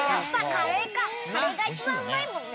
カレーが１ばんうまいもんね。